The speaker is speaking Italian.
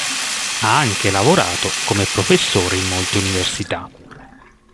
Ha anche lavorato come professore in molte università.